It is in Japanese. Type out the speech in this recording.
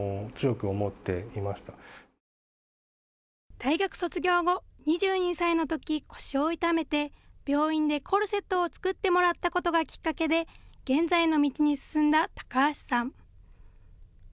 大学卒業後、２２歳のとき、腰を痛めて病院でコルセットを作ってもらったことがきっかけで現在の道に進んだ高橋さん。